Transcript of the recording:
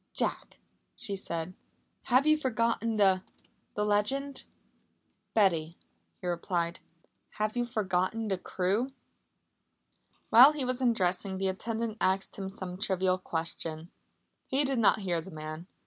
"Jack," she said, "have you forgotten the the legend?" "Betty," he replied, "have you forgotten the crew?" While he was undressing the attendant asked him some trivial question. He did not hear the man.